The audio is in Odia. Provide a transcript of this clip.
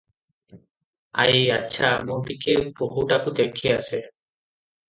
ଆଈ - ଆଚ୍ଛା, ମୁଁ ଟିକିଏ ବୋହୂଟାକୁ ଦେଖି ଆସେ ।